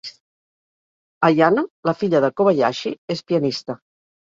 Ayano, la filla de Kobayashi, és pianista.